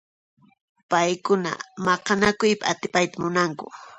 Paykuna maqanakuypi atipayta munanku.